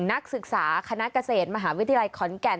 นักศึกษาคณะเกษตรมหาวิทยาลัยขอนแก่น